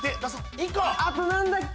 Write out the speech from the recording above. あと何だっけ？